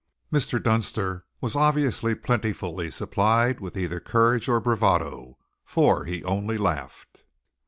Mr. Dunster was obviously plentifully supplied with either courage or bravado, for he only laughed.